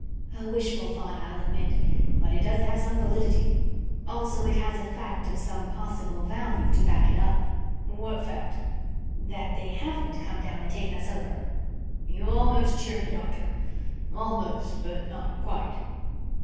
"A wishful thought, I'll admit. But it does have some validity. Also, it has a fact of some possible value to back it up." "What fact?" "That they haven't come down and taken us over." "You almost cheer me, Doctor. Almost, but not quite."